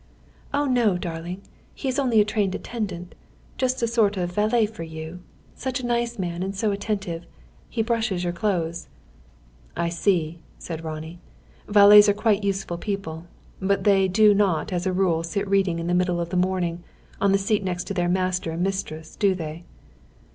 "Oh, no, darling! He is only a trained attendant; just a sort of valet for you. Such a nice man and so attentive. He brushes your clothes." "I see," said Ronnie. "Valets are quite useful people. But they do not as a rule sit reading in the middle of the morning, on the next seat to their master and mistress! Do they?